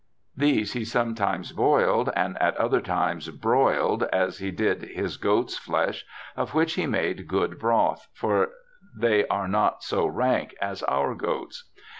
These he some times boiled, and at other times broiled, as he did his goat's flesh, of which he made good broth, for they are not so rank as our goats.